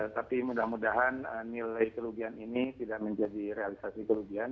tapi mudah mudahan nilai kerugian ini tidak menjadi realisasi kerugian